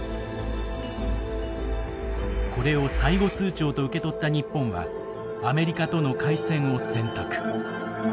これを最後通牒と受け取った日本はアメリカとの開戦を選択。